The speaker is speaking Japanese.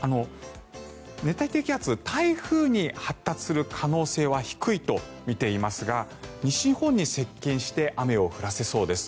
熱帯低気圧、台風に発達する可能性は低いとみていますが西日本に接近して雨を降らせそうです。